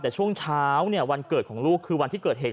แต่ช่วงเช้าเนี่ยวันเกิดของลูกคือวันที่เกิดเหตุ